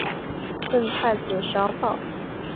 赠太子少保。